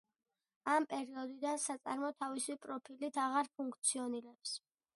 ამ პერიოდიდან საწარმო თავისი პროფილით აღარ ფუნქციონირებს.